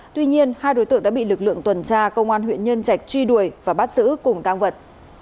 tuy nhiên hai đối tượng đã bị lực lượng tuần tra công an huyện nhân trạch truy đuổi và bắt giữ cùng tăng vật